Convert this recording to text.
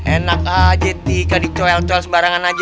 enak aja tika dicowel cowel sebarangan aja